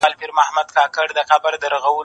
زه پرون بازار ته ولاړم؟